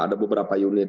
ada beberapa unit